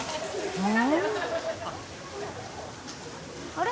あれ？